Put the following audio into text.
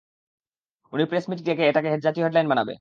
উনি প্রেস-মিট ডেকে এটাকে জাতীয় হেডলাইন বানাবে।